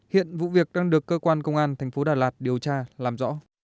hiện vụ việc đang được cơ quan công an tp đà lạt điều tra làm rõ